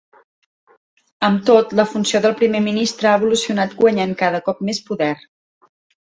Amb tot, la funció del primer ministre ha evolucionat guanyant cada cop més poder.